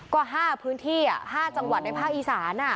ก็๕พื้นที่๕จังหวัดในภาคอีสาน